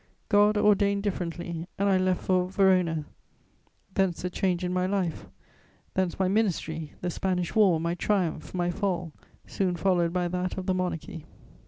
God ordained differently, and I left for Verona: thence the change in my life, thence my ministry, the Spanish War, my triumph, my fall, soon followed by that of the Monarchy.